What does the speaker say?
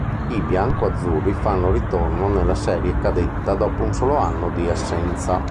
I biancoazzurri fanno ritorno nella serie cadetta dopo un solo anno di assenza.